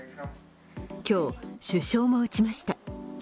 今日、首相も打ちました。